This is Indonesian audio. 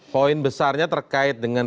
poin besarnya terkait dengan